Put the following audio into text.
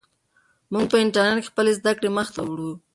موږ په انټرنیټ کې خپلې زده کړې مخ ته وړو.